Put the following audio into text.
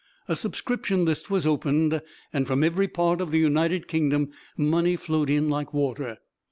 A subscription list was opened, and from every part of the United Kingdom money flowed in like water.